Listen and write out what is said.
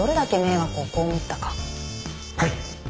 はい！